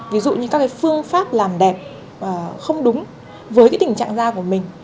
ví dụ như các phương pháp làm đẹp không đúng với tình trạng da của mình